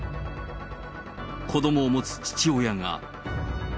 子どもを持つ父親が。